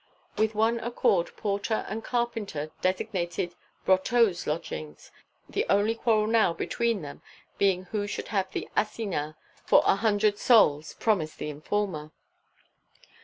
With one accord porter and carpenter designated Brotteaux's lodging, the only quarrel now between them being who should have the assignat for a hundred sols promised the informer.